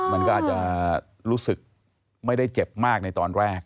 มันก็อาจจะรู้สึกไม่ได้เจ็บมากในตอนแรก